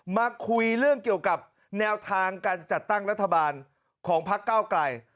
มาคุยเรื่องเกี่ยวกับแนวทางการจัดตั้งรัฐบาลของพักเก้าไกล